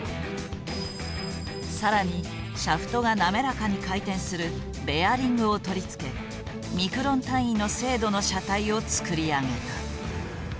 更にシャフトが滑らかに回転するベアリングを取り付けミクロン単位の精度の車体を作り上げた。